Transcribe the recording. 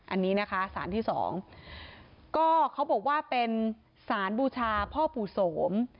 อันนี้นะคะสารที่สองก็เขาบอกว่าเป็นสารบูชาพ่อปู่โสม